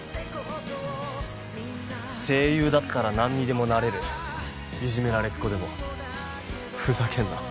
声優だったら何にでもなれるいじめられっこでもふざけんな